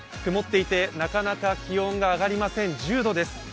曇っていて、なかなか気温が上がりません、１０度です。